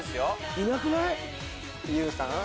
いなくない？